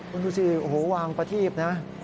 มนุษย์ผู้ชายวางประทีบนะ